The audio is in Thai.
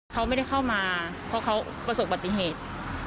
เขาไม่ได้เข้ามาเพราะเขาประสบปฏิเหตุ